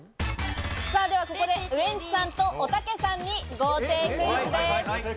ではここで、ウエンツさんとおたけさんに豪邸クイズです。